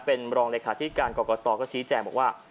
เป็นรองเลขาธิการกรกตก็ชี้แจงบอกว่า